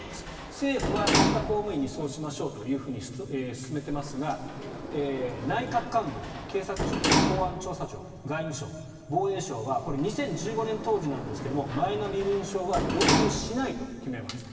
政府は国家公務員にそうしましょうと勧めていますが内閣官房、警察庁、公安調査庁外務省、防衛省は２０１５年当時ですがマイナ身分証は導入しないと決めました。